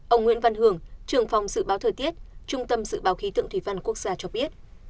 ông nguyễn văn hưởng trường phòng dự báo thời tiết trung tâm dự báo khí tượng thủy văn quốc gia cho biết